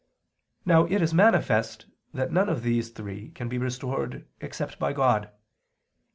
Now it is manifest that none of these three can be restored except by God.